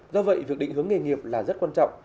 do vậy việc định hướng nghề nghiệp là rất quan trọng